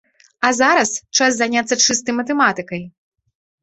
А зараз час заняцца чыстай матэматыкай.